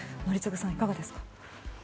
宜嗣さん、いかがですか。